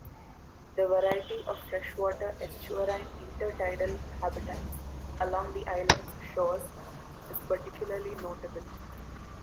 The variety of freshwater estuarine intertidal habitats along the island's shores is particularly notable.